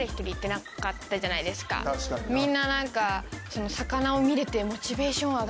みんな何か。